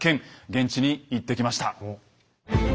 現地に行ってきました。